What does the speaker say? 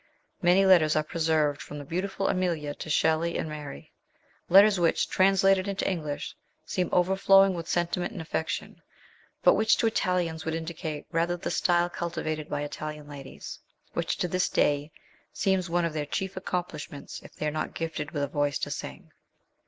Many letters are preserved from the beautiful Emilia to Shelley and Mary, letters which, translated into English, seem overflowing with sentiment and affection, but which to Italians would indicate rather the style cultivated by Italian ladies, which, to this day, seems one of their chief accom plishments if they are not gifted with a voice to sing.